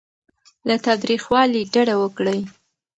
له تاوتریخوالي ډډه وکړئ.